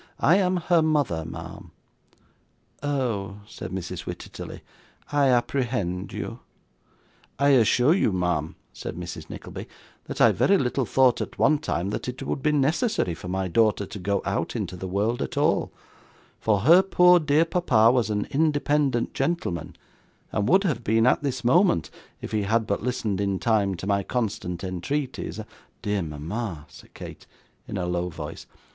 I am her mother, ma'am.' 'Oh!' said Mrs. Wititterly, 'I apprehend you.' 'I assure you, ma'am,' said Mrs. Nickleby, 'that I very little thought, at one time, that it would be necessary for my daughter to go out into the world at all, for her poor dear papa was an independent gentleman, and would have been at this moment if he had but listened in time to my constant entreaties and ' 'Dear mama,' said Kate, in a low voice.